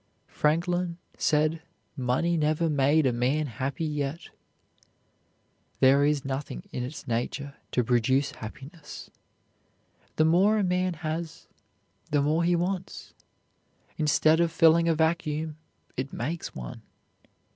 Franklin said money never made a man happy yet; there is nothing in its nature to produce happiness. The more a man has, the more he wants. Instead of filling a vacuum, it makes one.